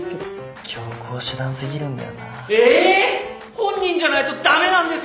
本人じゃないと駄目なんですか！？